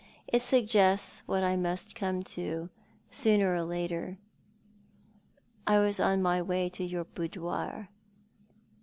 It suggests what I must come to, sooner or later. I was on my way to your boudoir."